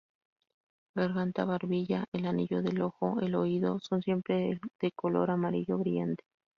Garganta, barbilla, el anillo del ojo, el oído son siempre de color amarillo brillante.